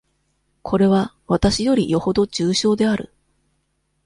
これは、私よりよほど重症である。